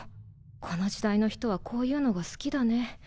この時代の人はこういうのが好きだね。